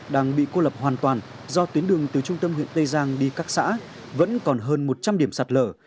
đang bị cô lập hoàn toàn do tuyến đường từ trung tâm huyện tây giang đi các xã vẫn còn hơn một trăm linh điểm sạt lở